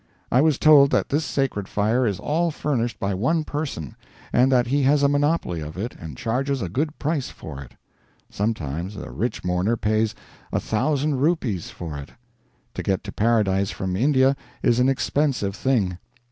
I was told that this sacred fire is all furnished by one person, and that he has a monopoly of it and charges a good price for it. Sometimes a rich mourner pays a thousand rupees for it. To get to paradise from India is an expensive thing.